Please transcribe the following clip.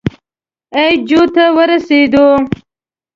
اي جو ته ورسېدو.